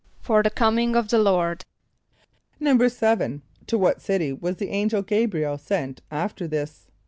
=For the coming of the Lord.= =7.= To what city was the angel G[=a]´br[)i] el sent after this?